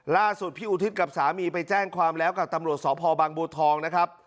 ล่าสุดพี่อุทิศกับสามีไปแจ้งความแล้วกับตำรวจสพบางบัวทองนะครับ